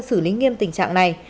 xử lý nghiêm tình trạng này